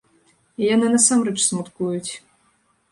І яны насамрэч смуткуюць.